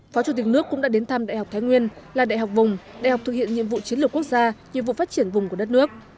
phó chủ tịch nước cũng đã đến thăm đại học thái nguyên là đại học vùng đại học thực hiện nhiệm vụ chiến lược quốc gia nhiệm vụ phát triển vùng của đất nước